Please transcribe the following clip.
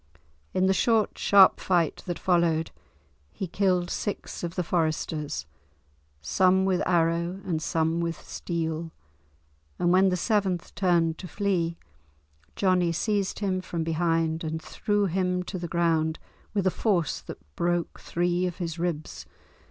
In the short, sharp fight that followed, he killed six of the foresters, some with arrow, and some with steel; and when the seventh turned to flee, Johnie seized him from behind and threw him on to the ground with a force that broke three of his ribs.